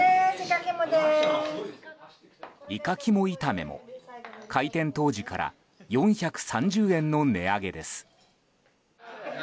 イカ肝炒めも開店当時から４３０円の値上げです。